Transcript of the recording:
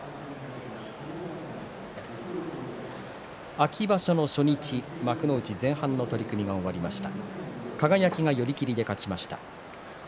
秋場所の初日、幕内前半の取組が終わりました。